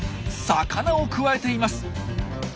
魚をくわえています。